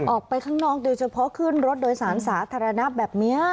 ออกไปข้างนอกโดยเฉพาะขึ้นรถโดยสารสาธารณะแบบนี้